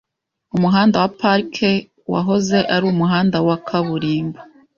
Umuhanda wa Park wahoze ari umuhanda wa kaburimbo.